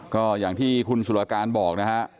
ก็อย่างที่คุณสุรการบอกนะฮะ